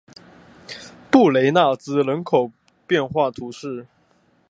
布雷纳兹人口变化图示